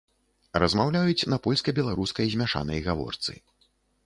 Размаўляюць на польска-беларускай змяшанай гаворцы.